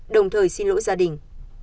đồng thời xin lỗi gia đình